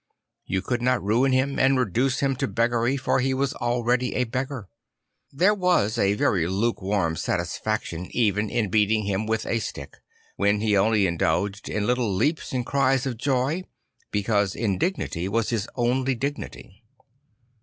You could not ruin him and reduce him to beggary, for he was already a beggar. There was a very luke warm satisfaction even in beating him with a stick, when he only indulged in little leaps and cries of joy because indignity was his only dignity.